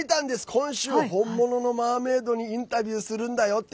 今週、本物のマーメードにインタビューするんだよって。